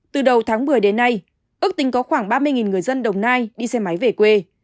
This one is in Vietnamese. từ đầu tháng một mươi đến nay ước tính có khoảng ba mươi người dân đồng nai đi xe máy về quê